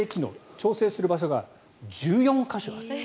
調整する場所が１４か所ある。